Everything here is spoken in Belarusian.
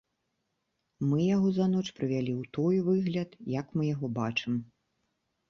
Мы яго за ноч прывялі ў той выгляд, як мы яго бачым.